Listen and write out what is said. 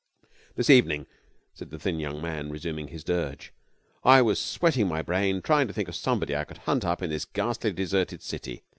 'This evening,' said the thin young man, resuming his dirge, 'I was sweating my brain to try to think of somebody I could hunt up in this ghastly, deserted city.